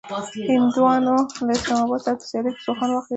هنديانو له اسلام اباد سره په سيالۍ کې سوهان واهه.